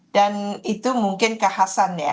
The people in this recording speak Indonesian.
dan itu mungkin kekhasan ya